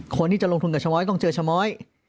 คนที่จะลงทุนกับชะม้อยต้องเจอชะม้อย